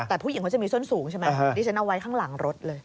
แต่ผู้หญิงเขาจะมีส้นสูงใช่ไหมดิฉันเอาไว้ข้างหลังรถเลย